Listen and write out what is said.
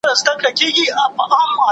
په دې حالت کي فرد اخلاقی دنده لري.